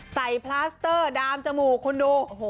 ใส่พลาสเตอร์ดามจมูกคุณดู